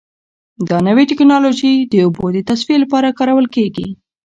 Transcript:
دا نوې ټیکنالوژي د اوبو د تصفیې لپاره کارول کیږي.